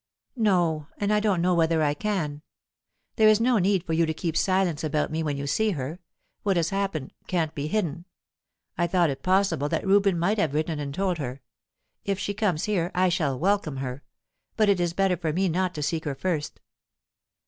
"No, and I don't know whether I can. There as no need for you to keep silence about me when you see her; what has happened can't be hidden. I thought it possible that Reuben might have written and told her. If she comes here, I shall welcome her, but it is better for me not to seek her first."